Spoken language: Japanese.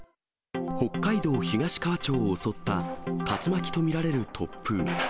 北海道東川町を襲った竜巻と見られる突風。